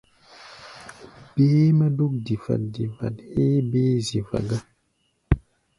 Béé-mɛ́ dúk difat-difat héé béé zifa gá.